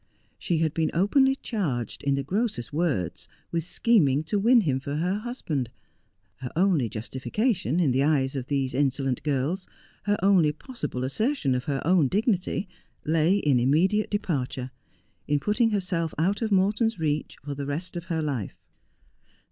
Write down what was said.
She had been openly charged, in the grossest words, with scheming to win him for her husband. Her only justification, in the eves of A Land of Chimnies and Smoke. 311 these insolent girls, her only possible assertion of her own dignity, lay in immediate departure — in putting herself out of Morton's reach for the rest of her life.